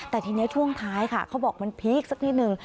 แต่ทีนี้ช่วงท้ายค่ะเขาบอกมันพีคสักนิดนึง